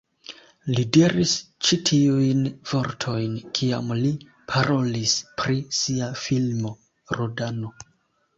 Li diris ĉi tiujn vortojn kiam li parolis pri sia filmo "Rodano".